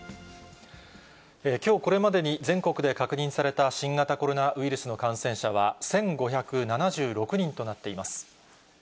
きょうこれまでに全国で確認された新型コロナウイルスの感染者は１５７６人となっています。